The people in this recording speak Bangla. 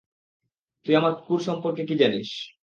তুই আমার কুকুর সম্পর্কে কী জানিস?